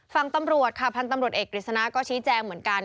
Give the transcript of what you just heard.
ฝั่งตำรวจค่ะพันธุ์ตำรวจเอกกฤษณะก็ชี้แจงเหมือนกัน